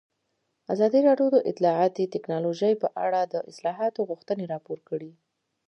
ازادي راډیو د اطلاعاتی تکنالوژي په اړه د اصلاحاتو غوښتنې راپور کړې.